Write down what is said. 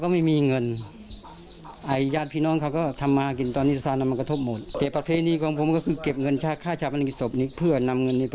ก็น่าจะประมาณสองหมื่น